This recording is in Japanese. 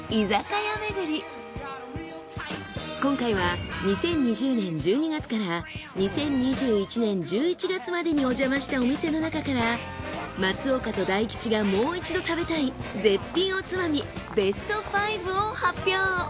今回は２０２０年１２月から２０２１年１１月までにお邪魔したお店の中から松岡と大吉がもう一度食べたい絶品おつまみベスト５を発表。